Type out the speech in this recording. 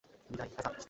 বিদায়, অ্যাজাক।